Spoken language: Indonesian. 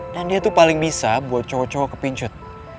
dan dia tuh paling bisa buat cowok cowok kepincut